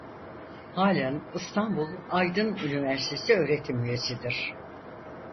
Halen İstanbul Aydın Üniversitesi öğretim üyesidir.